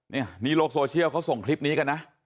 นี่โลกโซเชียลเขาส่งคลิปนี้กันนะ